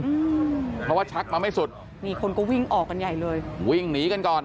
อืมเพราะว่าชักมาไม่สุดนี่คนก็วิ่งออกกันใหญ่เลยวิ่งหนีกันก่อน